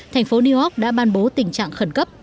thành phố new york đã ban bố tình trạng khẩn cấp